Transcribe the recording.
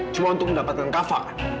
cuma untuk mendapatkan kafa